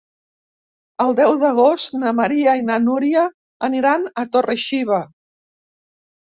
El deu d'agost na Maria i na Núria aniran a Torre-xiva.